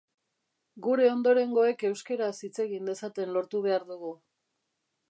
Gure ondorengoek euskeraz hitz egin dezaten lortu behar dugu